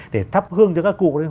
để thắp hương cho các cụ đấy